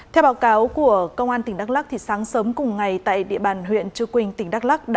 theo báo cáo của công an tỉnh đắk lắc sáng sớm cùng ngày tại địa bàn huyện trư quynh tỉnh đắk lắc